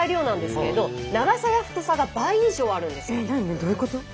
どういうこと？